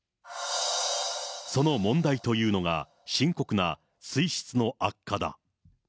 その問題というのが、深刻な水質の悪化だ。